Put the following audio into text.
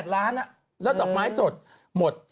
๗๘ล้านอ่ะแล้วดอกไม้สดหมด